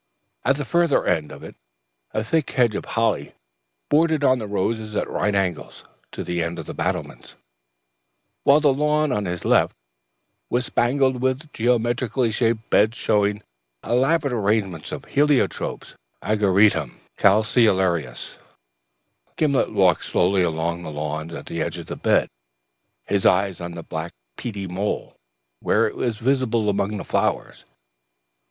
At the farther end of it, a thick hedge of holly bordered on the roses at right angles to the end of the battlements; while the lawn on his left was spangled with geometrically shaped beds showing elaborate arrangements of heliotrope, ageratum, calceolarias, and other bedding out plants. Gimblet walked slowly along the lawn at the edge of the bed, his eyes on the black peaty mould, where it was visible among the flowers.